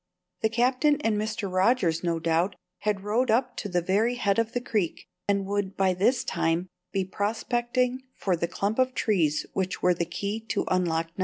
The Captain and Mr. Rogers, no doubt, had rowed up to the very head of the creek, and would by this time be prospecting for the clump of trees which were the key to unlock No.